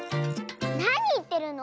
なにいってるの！